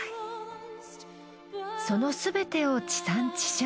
その全てを地産地消。